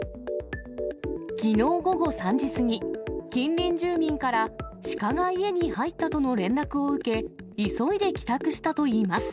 きのう午後３時過ぎ、近隣住民からシカが家に入ったとの連絡を受け、急いで帰宅したといいます。